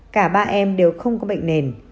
cả ba em đều không có bệnh nền